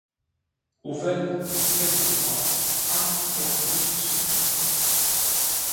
Aux Vennes, en quelques mois, arbres et arbustes sont plantés.